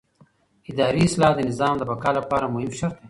اداري اصلاح د نظام د بقا لپاره مهم شرط دی